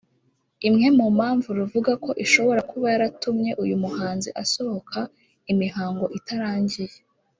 imwe mu mpamvu ruvuga ko ishobora kuba yaratumye uyu muhanzi asohoka imihango itarangiye